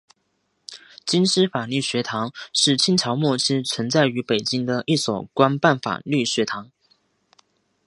京师法律学堂是清朝末期存在于北京的一所官办法律学堂。